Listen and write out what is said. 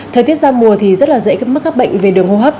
thời tiết ra mùa thì rất là dễ mắc các bệnh về đường hô hấp